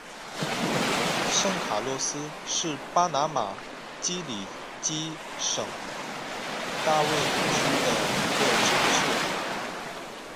圣卡洛斯是巴拿马奇里基省大卫区的一个城市。